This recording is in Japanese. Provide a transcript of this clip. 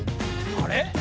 あれ？